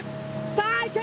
さあいけ！